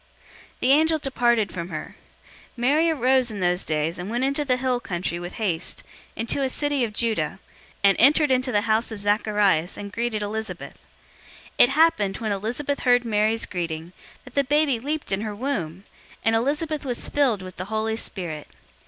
The angel departed from her. 001:039 Mary arose in those days and went into the hill country with haste, into a city of Judah, 001:040 and entered into the house of Zacharias and greeted Elizabeth. 001:041 It happened, when Elizabeth heard Mary's greeting, that the baby leaped in her womb, and Elizabeth was filled with the Holy Spirit.